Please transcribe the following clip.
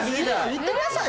言ってください